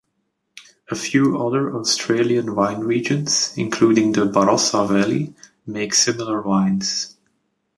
A few other Australian wine regions, including the Barossa Valley, make similar wines.